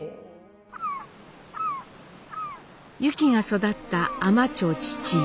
ユキが育った海士町知々井。